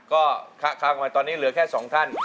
ก็คราวข้างในตอนนี้เหลือแค่๒ท่าน